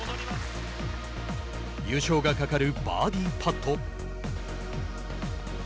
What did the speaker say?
優勝がかかるバーディーパット。